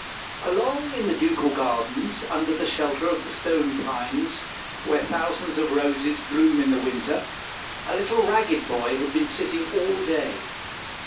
Along in the ducal gardens, under the shelter of the stone pines, where thousands of roses bloom in the winter, a little ragged boy had been sitting all day.